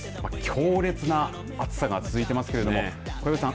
強烈な暑さが続いていますけれども小籔さん